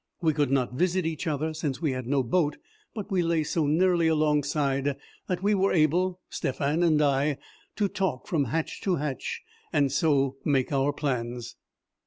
We could not visit each other, since we had no boat, but we lay so nearly alongside that we were able, Stephan and I, to talk from hatch to hatch and so make our plans.